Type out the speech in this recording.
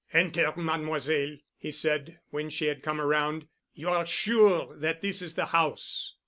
"Enter, Mademoiselle," he said, when she had come around. "You are sure that this is the house?"